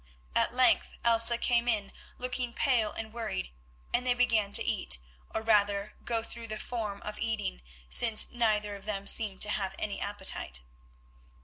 At length Elsa came in looking pale and worried, and they began to eat, or rather to go through the form of eating, since neither of them seemed to have any appetite.